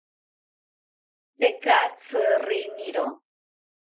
Tekatzi riniro